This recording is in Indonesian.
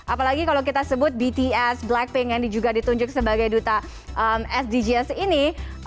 apalagi kalau kita sebut bts blackpink yang juga ditunjuk sebagai duta sdgs ini